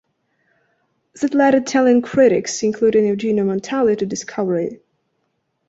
That led Italian critics, including Eugenio Montale, to discover it.